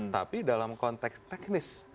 tapi dalam konteks teknis